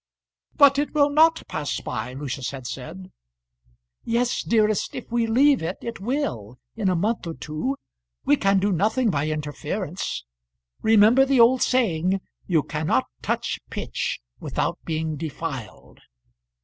"But it will not pass by," Lucius had said. "Yes, dearest, if we leave it, it will, in a month or two. We can do nothing by interference. Remember the old saying, You cannot touch pitch without being defiled."